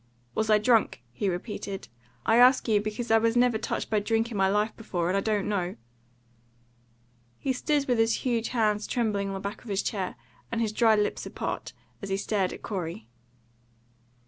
"Was I drunk?" he repeated. "I ask you, because I was never touched by drink in my life before, and I don't know." He stood with his huge hands trembling on the back of his chair, and his dry lips apart, as he stared at Corey.